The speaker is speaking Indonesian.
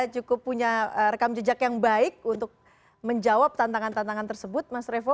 cukup punya rekam jejak yang baik untuk menjawab tantangan tantangan tersebut mas revo